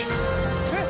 えっ！？